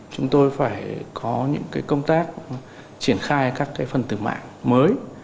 chúng tôi phải có những công tác triển khai các phần tử mạng mới